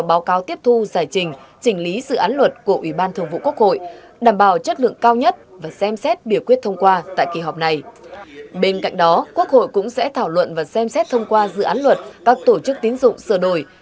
bên cạnh đó quốc hội cũng sẽ thảo luận và xem xét thông qua dự án luật các tổ chức tín dụng sửa đổi